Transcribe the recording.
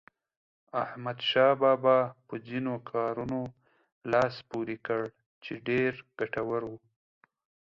احمدشاه بابا په ځینو کارونو لاس پورې کړ چې ډېر ګټور وو.